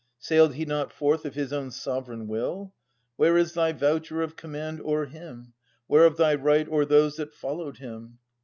Sailed he not forth of his own sovereign will ? Where is thy voucher of command o'er him ? Where of thy right o'er those that followed him